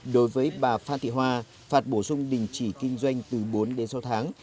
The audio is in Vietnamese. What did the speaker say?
đối với bà phan thị hoa phạt bổ sung đình chỉ kinh doanh từ bốn đến sáu tháng